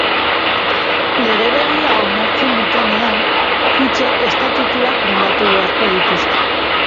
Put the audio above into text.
Lege berria onartzen dutenean, kutxek estatutuak moldatu beharko dituzte.